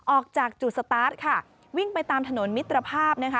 ออกจากจุดสตาร์ทค่ะวิ่งไปตามถนนมิตรภาพนะคะ